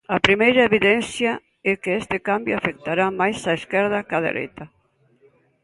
A primeira evidencia é que este cambio afectará máis á esquerda cá dereita.